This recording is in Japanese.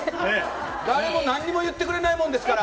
誰もなんにも言ってくれないもんですから。